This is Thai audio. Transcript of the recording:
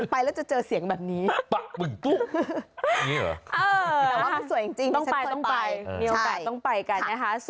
ไปเลยเจอเสียงแบบนี้ต้องไปกัน